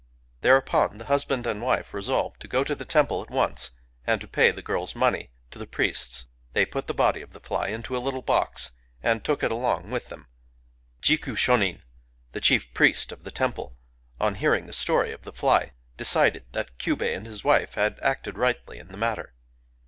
Thereupon the husband and wife resolved to go to the temple at once, and to pay the girl's money Digitized by Googk STORY OF A FLY 6i to the priests. They put the body of the fly into a little box, and took it along with them. Jiku Shonin, the chief priest of the temple, on hearing the story of the fly, decided that Kyubei and his wife had acted rightly in the matter.